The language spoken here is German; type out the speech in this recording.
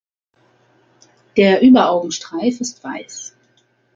Der Überaugenstreif ist weiß.